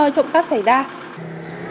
những nơi trộm cắp xảy ra